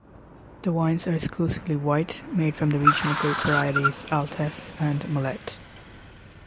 The wines are exclusively white, made from the regional grape varieties Altesse and Molette.